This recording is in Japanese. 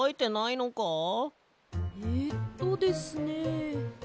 えっとですね